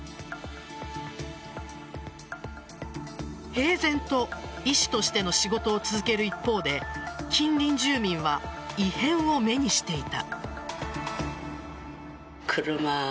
平然と医師としての仕事を続ける一方で近隣住民は異変を目にしていた。